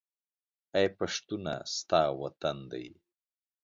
اې پښتونه! ستا وطن دى